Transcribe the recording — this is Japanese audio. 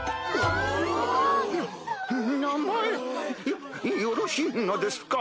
よよろしいのですか？